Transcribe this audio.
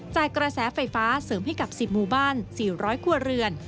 กระแสไฟฟ้าเสริมให้กับ๑๐หมู่บ้าน๔๐๐ครัวเรือน